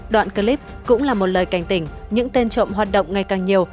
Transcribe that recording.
đoạn clip cũng là một lời cảnh tỉnh những tên trộm hoạt động ngày càng nhiều